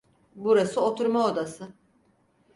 Burası oturma odası.